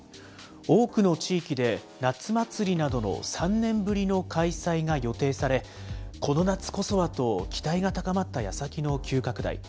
多くの地域で夏祭りなどの３年ぶりの開催が予定され、この夏こそはと期待が高まったやさきの急拡大。